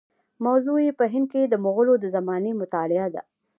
موضوع یې په هند کې د مغولو د زمانې مطالعه ده.